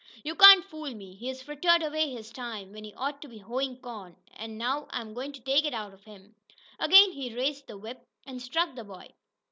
You can't fool me. He's frittered away his time, when he ought t' be hoein' corn, an' now I'm goin' to take it out of him!" Again he raised the whip, and struck the boy.